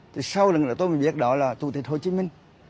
thì sau lần nữa tôi mới biết đó là chủ tịch hồ chí minh